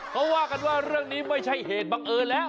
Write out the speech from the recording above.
เขาว่ากันว่าเรื่องนี้ไม่ใช่เหตุบังเอิญแล้ว